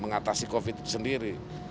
mengatasi covid sembilan belas sendiri